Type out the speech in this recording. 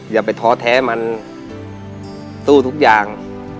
อย่าไปท้อแท้มันสู้ทุกอย่าง